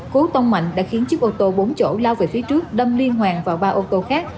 cú tông mạnh đã khiến chiếc ô tô bốn chỗ lao về phía trước đâm liên hoàn vào ba ô tô khác